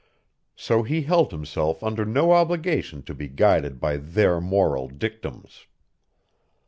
So he held himself under no obligation to be guided by their moral dictums.